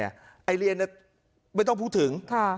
จะไม่ต้องพูดถึง